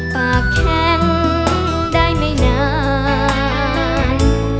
ปากแข็งได้ไม่นาน